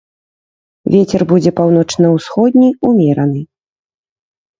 Вецер будзе паўночна-усходні, умераны.